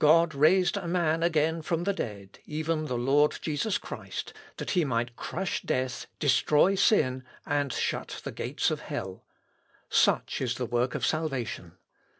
God raised a man again from the dead, even the Lord Jesus Christ, that he might crush death, destroy sin, and shut the gates of hell. Such is the work of salvation.